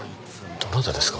どなたですか？